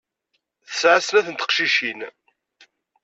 Tesɛa snat n teqcicin.